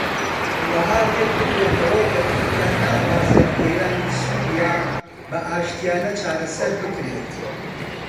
وەها لێک بدرێتەوە کە تورکیا ناخوازێت قەیرانی سووریا بە ئاشتییانە چارەسەر بکرێت